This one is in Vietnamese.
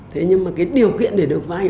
thế nhưng mà cái điều kiện để được vay